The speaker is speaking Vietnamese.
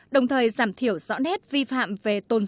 đồng thời giảm thiểu rõ nét vi phạm về tổ chức